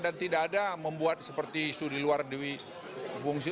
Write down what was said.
dan tidak ada membuat seperti studi luar duit fungsi